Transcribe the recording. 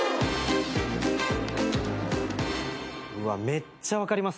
めっちゃ分かります。